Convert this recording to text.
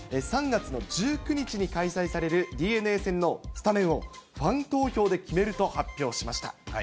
３月の１９日に開催されるＤｅＮＡ戦のスタメンを、ファン投票で決めると発表しました。